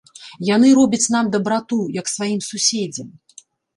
Яны робяць нам дабрату, як сваім суседзям.